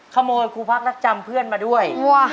ครูพักรักจำเพื่อนมาด้วย